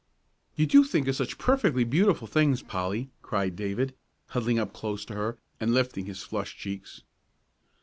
"You do think up such perfectly beautiful things, Polly," cried David, huddling up close to her, and lifting his flushed cheeks.